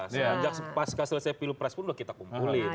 sejak pas selesai pilpres pun udah kita kumpulin